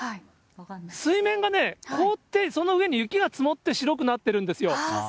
水面が凍って、その上に雪が積もって白くなってるんですよ。